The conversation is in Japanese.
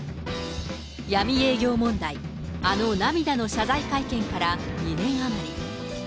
闇営業問題、あの涙の謝罪会見から２年余り。